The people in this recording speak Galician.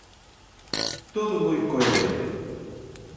Todo moi coherente.